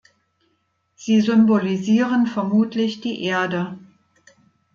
Sie symbolisieren vermutlich die Erde.